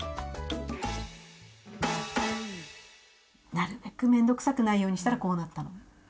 なるべくめんどくさくないようにしたらこうなったの。